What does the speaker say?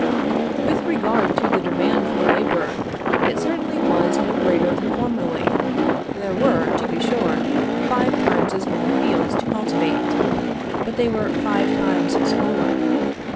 With regard to the demand for labor, it certainly was no greater than formerly. There were, to be sure, five times as many fields to cultivate, but they were five times smaller.